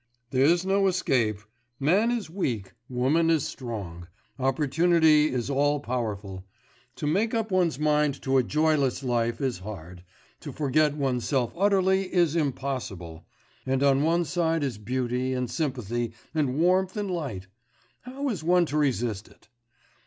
'There's no escape. Man is weak, woman is strong, opportunity is all powerful, to make up one's mind to a joyless life is hard, to forget oneself utterly is impossible ... and on one side is beauty and sympathy and warmth and light, how is one to resist it?